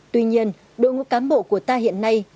tuy nhiên đội ngũ cán bộ của ta hiện nay